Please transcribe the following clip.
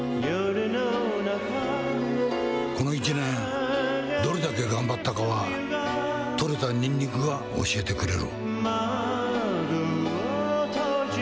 この１年どれだけ頑張ったかは、採れたにんにくが教えてくれる。